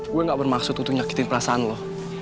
gue gak bermaksud untuk nyakitin perasaan lo